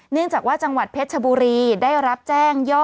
เนื่องจากว่าจังหวัดเพชรชบุรีได้รับแจ้งย่อ